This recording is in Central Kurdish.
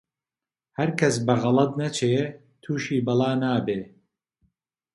هەرکەس بە غەڵەت نەچی، تووشی بەڵا نابێ